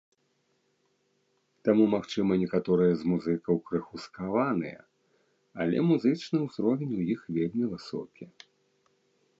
Таму, магчыма, некаторыя з музыкаў крыху скаваныя, але музычны ўзровень у іх вельмі высокі.